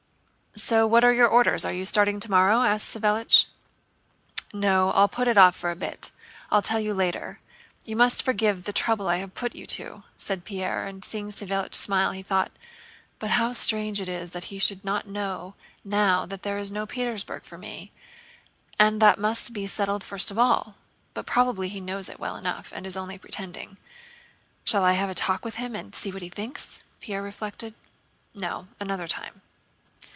"So what are your orders? Are you starting tomorrow?" asked Savélich. "No, I'll put it off for a bit. I'll tell you later. You must forgive the trouble I have put you to," said Pierre, and seeing Savélich smile, he thought: "But how strange it is that he should not know that now there is no Petersburg for me, and that that must be settled first of all! But probably he knows it well enough and is only pretending. Shall I have a talk with him and see what he thinks?" Pierre reflected. "No, another time."